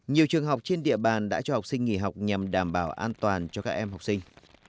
nhiều trường học trên địa bàn đã cho học sinh nghỉ học nhằm đảm bảo an toàn cho các em học sinh